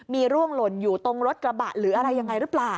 มีร่วงหล่นอยู่ตรงรถกระบะหรืออะไรยังไงหรือเปล่า